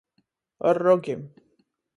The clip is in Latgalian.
Ar rogim.